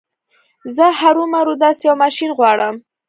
زه هرو مرو داسې يو ماشين غواړم.